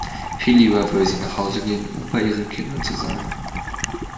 Viel lieber würde sie nach Hause gehen, um bei ihren Kindern zu sein.